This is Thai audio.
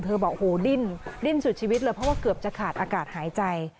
บอกโอ้โหดิ้นดิ้นสุดชีวิตเลยเพราะว่าเกือบจะขาดอากาศหายใจ